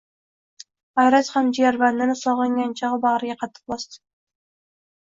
G`ayrat ham jigarbandini sog`ingan chog`i, bag`riga qattiq bosdi